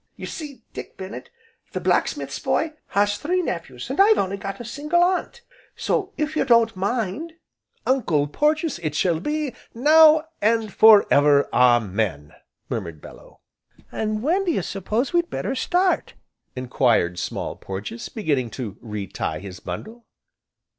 You see, Dick Bennet the black smith's boy, has three uncles an' I've only got a single aunt, so, if you don't mind " "Uncle Porges it shall be, now and for ever, Amen!" murmured Bellew. "An' when d'you s'pose we'd better start?" enquired Small Porges, beginning to re tie his bundle.